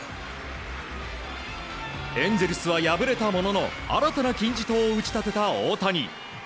エンゼルスは敗れたものの新たな金字塔を打ち立てた大谷。